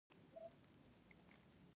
کله چې دوی ما وپوښتي څه غواړم.